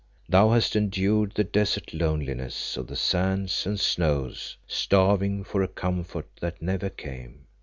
Thou hast endured the desert loneliness of the sands and snows starving for a comfort that never came.